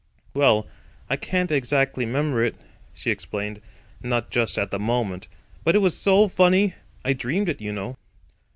"Well, I can't exactly 'member it," she explained, "not just at the moment. But it was so funny. I dreamed it, you know."